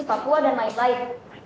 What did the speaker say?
papua dan lain lain